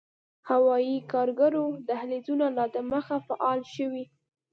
هوايي کارګو دهلېزونه لا دمخه “فعال” شوي